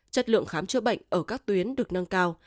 chất lượng khám chữa bệnh ở các tuyến được nâng cao